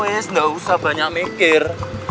ya wes gak usah banyak mikir